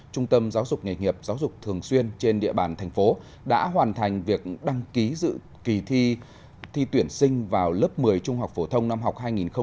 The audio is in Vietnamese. trung tâm giáo dục nghề nghiệp giáo dục thường xuyên trên địa bàn thành phố đã hoàn thành việc đăng ký dự kỳ thi tuyển sinh vào lớp một mươi trung học phổ thông năm học hai nghìn hai mươi hai nghìn hai mươi một